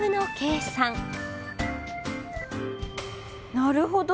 なるほど。